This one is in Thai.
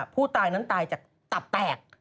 ผู้ตายนั้นตายจากตับแตก